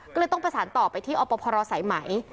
ก็เลยต้องประสานต่อไปที่อพรสายไหม